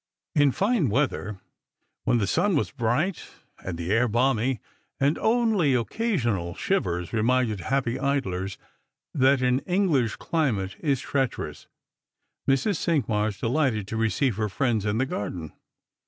In fine weather, when the sun was bright and the air balmy, and only occasional shivers reminded happy idlers that an English climate is treacherous, Mrs. Cinqmars delighted to receive her friends in the garden.